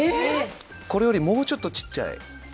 これよりもうちょっとちっちゃい。